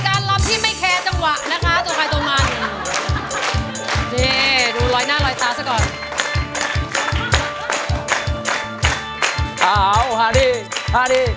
เอ้าหาดีหาดีหาดี